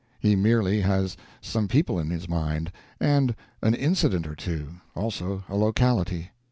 He merely has some people in his mind, and an incident or two, also a locality.